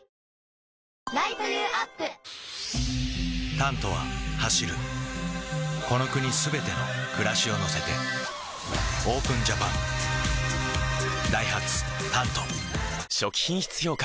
「タント」は走るこの国すべての暮らしを乗せてＯＰＥＮＪＡＰＡＮダイハツ「タント」初期品質評価